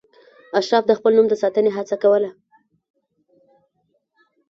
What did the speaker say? اشراف د خپل نوم د ساتنې هڅه کوله.